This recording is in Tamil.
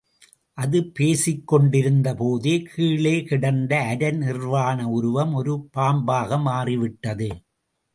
அது பேசிக்கொண்டிருந்த போதே கீழே கிடந்த அரை நிர்வாணஉருவம் ஒரு பாம்பாக மாறிவிட்டது.